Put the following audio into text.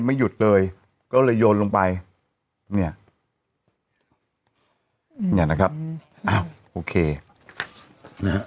ไม่หยุดเลยก็เลยโยนลงไปเนี่ยเนี่ยนะครับอ้าวโอเคนะฮะ